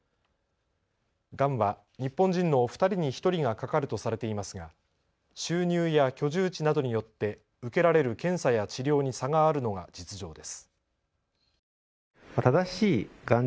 がんは日本人の２人に１人がかかるとされていますが収入や居住地などによって受けられる検査や治療に差があるのが実情です。